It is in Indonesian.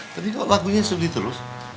tapi kok lakunya sulit terus